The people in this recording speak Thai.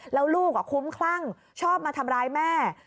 แล้วลูกคุ้มคลั่งชอบมาทำร้ายแม่